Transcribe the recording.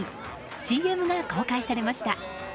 ＣＭが公開されました。